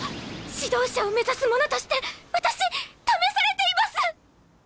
指導者を目指す者として私試されています！